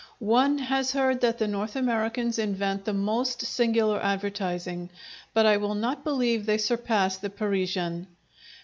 One has heard that the North Americans invent the most singular advertising, but I will not believe they surpass the Parisian.